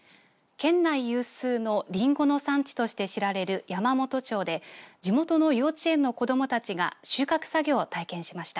県内有数のリンゴの産地として知られる山元町で地元の幼稚園の子どもたちが収穫作業を体験しました。